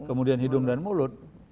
kemudian hidung dan mulut